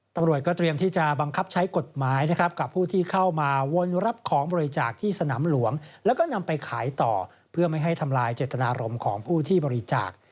ตำรวจก็เตรียมที่จะบังคับใช้กฎหมายนะครับกับผู้ที่เข้ามาวนรับของบริจาคที่สนามหลวงแล้วก็นำไปขายต่อเพื่อไม่ให้ทำลายเจตนารมณ์ของผู้ที่บริจาค